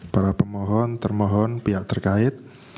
para pemohon termohon pihak terkait